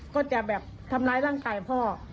ก็จะแบบทำร้ายร่างกายพ่อ